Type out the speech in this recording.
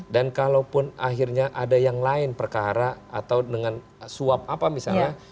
dan kalaupun akhirnya ada yang lain perkara atau dengan suap apa misalnya